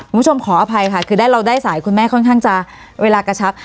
คุณผู้ชมขออภัยค่ะคือเราได้สายคุณแม่ค่อนข้างจะเวลากระชับ